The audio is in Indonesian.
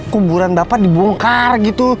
kuburan bapak dibongkar gitu